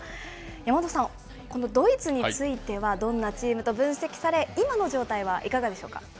山本さん、このドイツについては、どんなチームと分析され、今の状態はいかがでしょうか。